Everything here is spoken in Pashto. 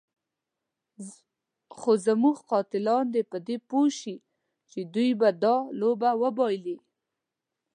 خو زموږ قاتلان دې په دې پوه شي چې دوی به دا لوبه وبایلي.